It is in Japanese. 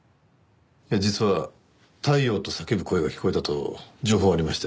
いや実は「タイヨウ」と叫ぶ声が聞こえたと情報がありまして。